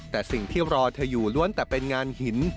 แต่สิ่งที่รอเธออยู่ล้วนแต่เป็นงานหิน